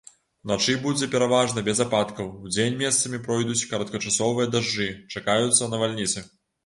Уначы будзе пераважна без ападкаў, удзень месцамі пройдуць кароткачасовыя дажджы, чакаюцца навальніцы.